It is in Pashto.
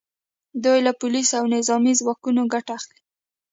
دوی له پولیسو او نظامي ځواکونو ګټه اخلي